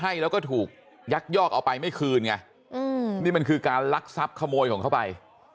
ให้แล้วก็ถูกยักยอกเอาไปไม่คืนไงนี่มันคือการลักทรัพย์ขโมยของเขาไป